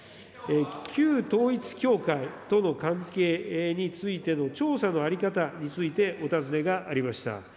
旧統一教会との関係についての調査の在り方についてお尋ねがありました。